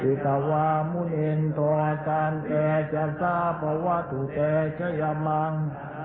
ที่กะว่ามุญเอนต่อจันทร์แต่จะสร้าพวัตถุเจยมัง